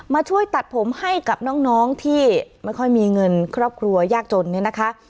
ช่วยตัดผมให้กับน้องที่ไม่ค่อยมีเงินครอบครัวยากจนเนี่ยนะคะ